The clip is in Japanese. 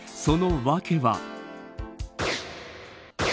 その訳は。